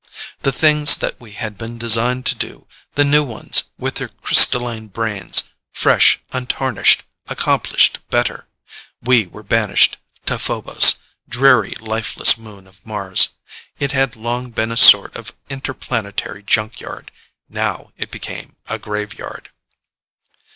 The things that we had been designed to do, the new ones, with their crystalline brains, fresh, untarnished, accomplished better. We were banished to Phobos, dreary, lifeless moon of Mars. It had long been a sort of interplanetary junkyard; now it became a graveyard.